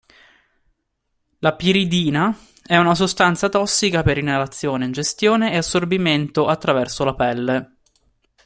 La piridina è una sostanza tossica per inalazione, ingestione e assorbimento attraverso la pelle.